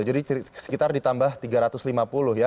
jadi sekitar ditambah rp tiga ratus lima puluh ya